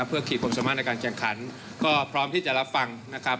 เพื่อขีดความสามารถในการแข่งขันก็พร้อมที่จะรับฟังนะครับ